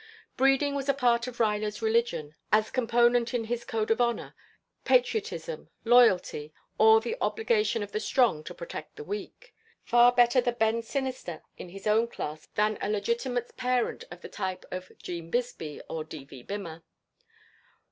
Breeding was a part of Ruyler's religion, as component in his code as honor, patriotism, loyalty, or the obligation of the strong to protect the weak. Far better the bend sinister in his own class than a legitimate parent of the type of 'Gene Bisbee or D.V. Bimmer.